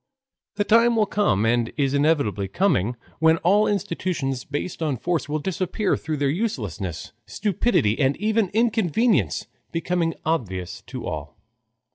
The time will come and is inevitably coming when all institutions based on force will disappear through their uselessness, stupidity, and even inconvenience becoming obvious to all.